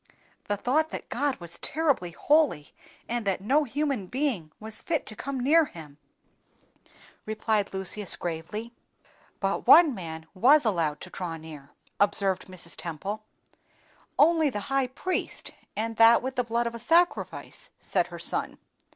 "The thought that God was terribly holy, and that no human being was fit to come near Him," replied Lucius, gravely. "But one man was allowed to draw near," observed Mrs. Temple. "Only the high priest, and that with the blood of a sacrifice," said her son.